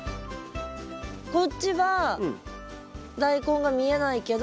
こっちはダイコンが見えないけど。